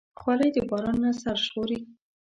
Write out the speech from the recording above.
خولۍ د باران نه سر ژغوري.